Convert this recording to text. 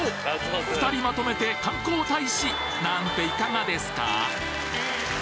２人まとめて観光大使なんていかがですか？